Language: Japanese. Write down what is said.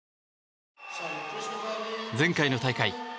前回の大会。